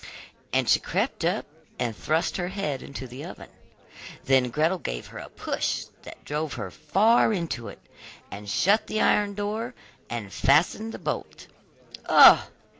and she crept up and thrust her head into the oven. Then Gretel gave her a push that drove her far into it, and shut the iron door, and fastened the bolt. Oh!